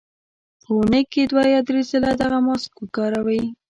په اونۍ کې دوه یا درې ځله دغه ماسک وکاروئ.